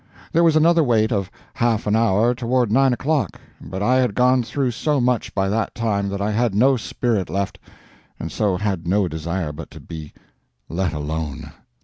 There was another wait of half an hour toward nine o'clock, but I had gone through so much by that time that I had no spirit left, and so had no desire but to be let alone.